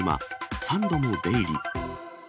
３度も出入り。